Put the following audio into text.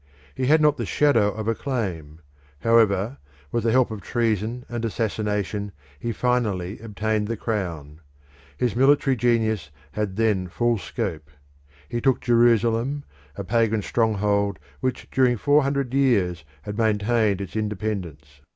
He had not the shadow of a claim; however, with the help of treason and assassination he finally obtained the crown. His military genius had then full scope. He took Jerusalem, a pagan stronghold which during four hundred years had maintained its independence.